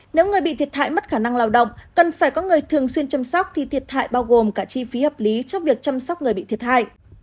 nếu người bị thiệt hại mất khả năng lao động cần phải có người thường xuyên chăm sóc thì thiệt hại bao gồm cả chi phí hợp lý cho việc chăm sóc người bị thiệt hại